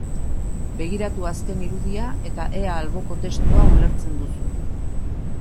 Begiratu azken irudia eta ea alboko testua ulertzen duzun.